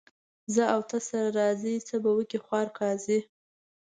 زه او ته سره راضي ، څه به وکي خوار قاضي.